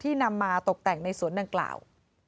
นำมาตกแต่งในสวนดังกล่าว